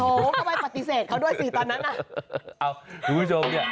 โถทำไมปฏิเสธเขาด้วยสิตอนนั้นอ้าวทุกผู้ชมเนี่ย